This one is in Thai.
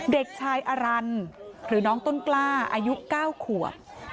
เด็กชายอรันหรือน้องต้นกล้าอายุ๙ขวบ